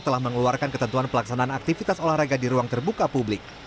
telah mengeluarkan ketentuan pelaksanaan aktivitas olahraga di ruang terbuka publik